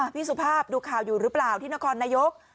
พี่สุภาพดูข่าวอยู่หรือเปล่าที่นครนายก